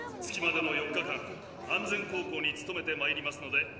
月までの４日間安全航行に努めてまいりますので」。